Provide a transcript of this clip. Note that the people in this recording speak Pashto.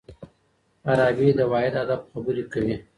فارابي د واحد هدف خبري کوي.